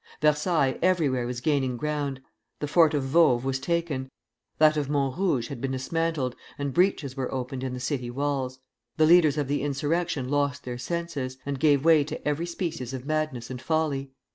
Versailles everywhere was gaining ground; the Fort of Vauves was taken, that of Mont Rouge had been dismantled, and breaches were opened in the city walls. The leaders of the insurrection lost their senses, and gave way to every species of madness and folly.